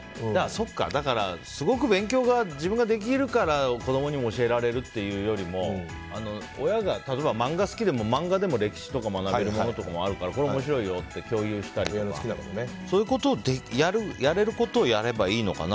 だから、すごく勉強が自分ができるから子供にも教えられるというよりも親が漫画好きでも歴史とかを学べるものとかもあるからこれ面白いよって共有したりそういうことをやれることをやればいいのかな。